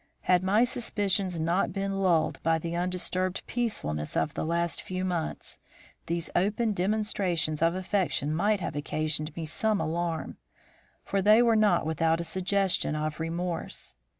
Had my suspicions not been lulled by the undisturbed peacefulness of the last few months, these open demonstrations of affection might have occasioned me some alarm, for they were not without a suggestion of remorse.